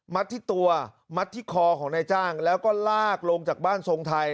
ที่ตัวมัดที่คอของนายจ้างแล้วก็ลากลงจากบ้านทรงไทย